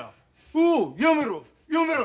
おうやめろ！